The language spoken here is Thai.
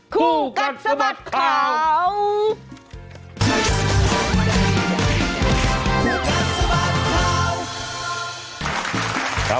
คู่กันสมัตย์ข่าวคู่กันสมัตย์ข่าว